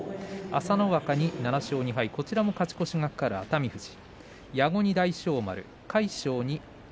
朝乃若に７勝２敗こちらも勝ち越しが懸かる熱海富士。